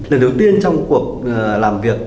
lần đầu tiên trong cuộc làm việc